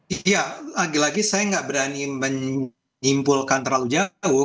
iya lagi lagi saya nggak berani menyimpulkan terlalu jauh